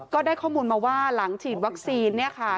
ก็ได้ข้อมูลมาว่าหลังฉีดวัคซีนเนี่ยค่ะ